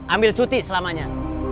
ambil cuti selamanya